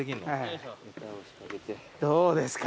どうですか。